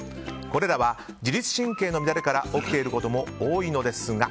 これらは自律神経の乱れから起きていることも多いのですが。